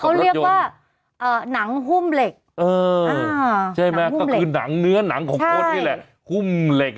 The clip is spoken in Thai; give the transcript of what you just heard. เขาเรียกว่าหนังฮุ่มเหล็ก